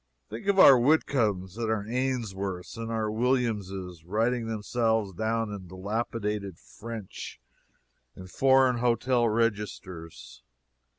Think of our Whitcombs, and our Ainsworths and our Williamses writing themselves down in dilapidated French in foreign hotel registers!